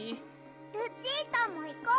・ルチータもいこう！